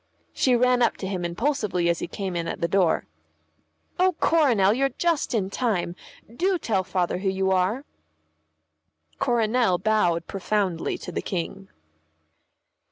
She ran up to him impulsively as he came in at the door. "Oh, Coronel, you're just in time; do tell Father who you are." Coronel bowed profoundly to the King.